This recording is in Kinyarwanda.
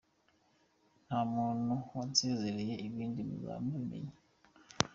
Nta muntu wansezereye ibindi muzaba mubimenya.